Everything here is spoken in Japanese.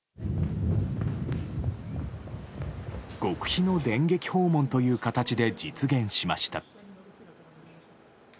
極秘の電撃訪問という形で実現しました。